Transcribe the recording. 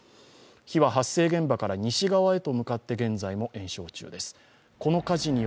火は発生現場から西側へと向かって現在も延焼中です。